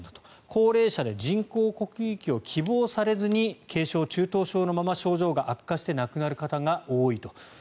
高齢者で人工呼吸器を希望されずに軽症・中等症のまま症状が悪化して亡くなる方が多いと。